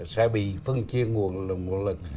sẽ bị phân chia nguồn lực